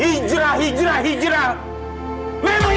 hijrah hijrah hijrah